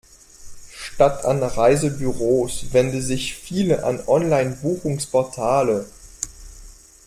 Statt an Reisebüros wenden sich viele an Online-Buchungsportale.